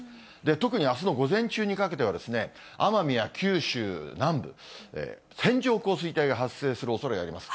特にあすの午前中にかけては、奄美や九州南部、線状降水帯が発生するおそれがあります。